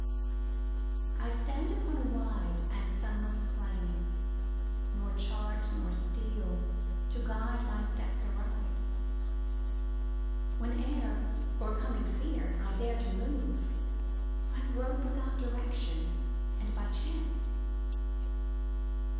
I stand upon a wide and sunless plain, Nor chart nor steel to guide my steps aright. Whene'er, o'ercoming fear, I dare to move, I grope without direction and by chance.